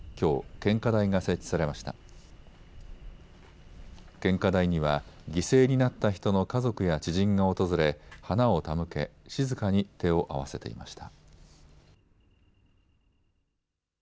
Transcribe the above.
献花台には犠牲になった人の家族や知人が訪れ花を手向け、静かに手を合わせていました。